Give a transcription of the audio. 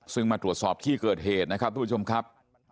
ซึ่งมาตรวจสอบที่เกิดเหตุนะครับทุกผู้ชมครับ